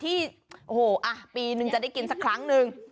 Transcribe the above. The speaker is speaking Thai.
ที่โอ้โหปีนึงจะได้กินสักครั้งนึง